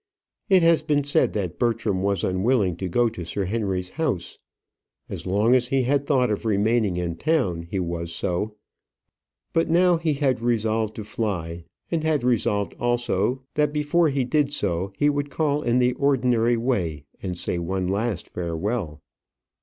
It has been said that Bertram was unwilling to go to Sir Henry's house. As long as he had thought of remaining in town he was so. But now he had resolved to fly, and had resolved also that before he did so he would call in the ordinary way and say one last farewell.